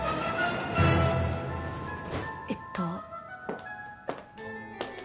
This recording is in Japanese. えっと。